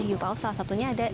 hiu paus salah satunya ada